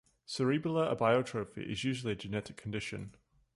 Cerebellar abiotrophy is usually a genetic condition.